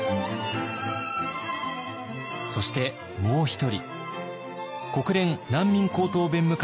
そしてもう一人。